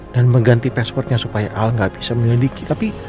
dan mengganti passwordnya supaya al gak bisa melidiki